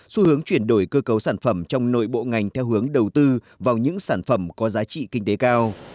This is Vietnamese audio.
xu hướng chuyển đổi cơ cấu sản phẩm trong nội bộ ngành theo hướng đầu tư vào những sản phẩm có giá trị kinh tế cao